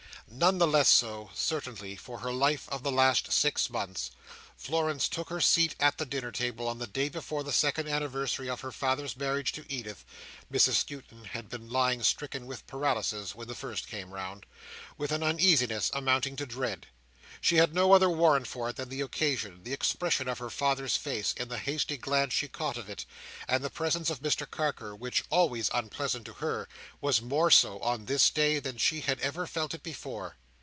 None the less so, certainly, for her life of the last six months. Florence took her seat at the dinner table, on the day before the second anniversary of her father's marriage to Edith (Mrs Skewton had been lying stricken with paralysis when the first came round), with an uneasiness, amounting to dread. She had no other warrant for it, than the occasion, the expression of her father's face, in the hasty glance she caught of it, and the presence of Mr Carker, which, always unpleasant to her, was more so on this day, than she had ever felt it before.